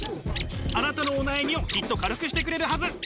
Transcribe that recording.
あなたのお悩みをきっと軽くしてくれるはず。